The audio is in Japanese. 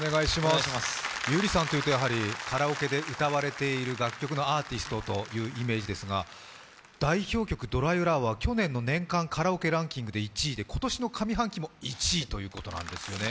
優里さんというと、やはりカラオケで歌われている楽曲のアーティストというイメージですが、代表曲「ドライフラワー」、去年の年間カラオケランキング１位で今年の上半期も１位ということなんですよね。